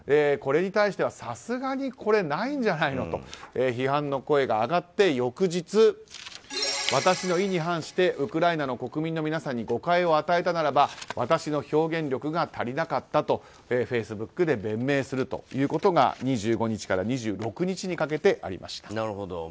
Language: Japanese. これに対してはさすがにこれないんじゃないのと批判の声が上がって翌日、私の意に反してウクライナの国民の皆さんに誤解を与えたならば私の表現力が足りなかったとフェイスブックで弁明するということが２５日から２６日にかけてありました。